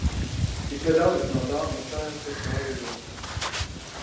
Tikai dažas no tām iestājās pret karu Irākā.